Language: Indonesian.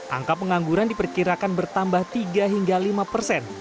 angka pengangguran diperkirakan bertambah tiga hingga lima persen